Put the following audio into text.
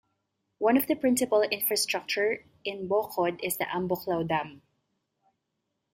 One of the principal infrastructure in Bokod is the Ambuklao Dam.